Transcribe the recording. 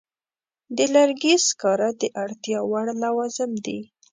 د لرګي سکاره د اړتیا وړ لوازم دي.